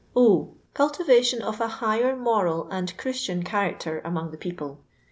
0. CuUivation qf a higher moral and CJiris tian character among (ke people.